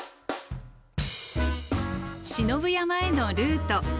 信夫山へのルート。